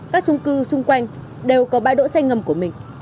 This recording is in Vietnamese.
các trung cư xung quanh đều có bãi đỗ xe ngầm của mình